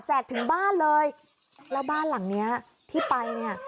ถึงบ้านเลยแล้วบ้านหลังเนี้ยที่ไปเนี่ย